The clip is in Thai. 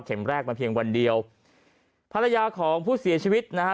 แรกมาเพียงวันเดียวภรรยาของผู้เสียชีวิตนะฮะ